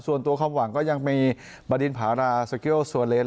ส่วนตัวความหวังก็ยังมีบดินผาราสเกียลซัวเลนส